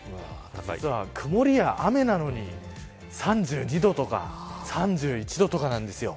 実は曇りや雨なのに３２度とか３１度とかなんですよ。